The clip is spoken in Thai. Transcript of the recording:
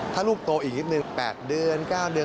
ถ้าลูกโตอีกนิดนึง๘เดือน๙เดือน